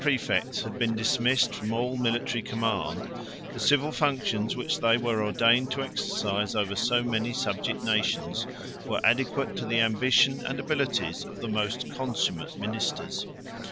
] After the Prætorian præfects had been dismissed from all military command, the civil functions which they were ordained to exercise over so many subject nations, were adequate to the ambition and abilities of the most consummate ministers.